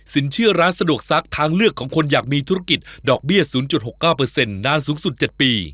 สินเชื่อร้านสะดวกซักทางเลือกของคนอยากมีธุรกิจดอกเบี้ยศูนย์จุดหกเก้าเปอร์เซ็นต์นานสูงสุดเจ็ดปี